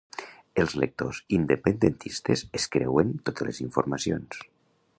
Els lectors independentistes es creuen totes les informacions